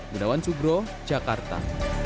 benawan subro jakarta